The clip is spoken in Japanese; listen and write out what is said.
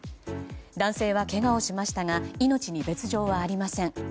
男性はけがをしましたが命に別条はありません。